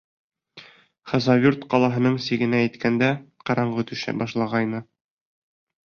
Хасавюрт ҡалаһының сигенә еткәндә ҡараңғы төшә башлағайны.